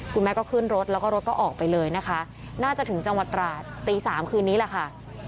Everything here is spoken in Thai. คุณแม่ก็ขึ้นรถแล้วก็รถก็ออกไปเลยนะคะน่าจะถึงจังหวัดตราดตี๓คืนนี้แหละค่ะ